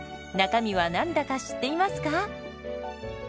中身は何だか知っていますか？